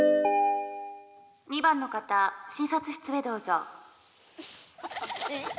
２番の方診察室へどうぞ。